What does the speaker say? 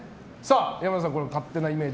山田さん、この勝手なイメージ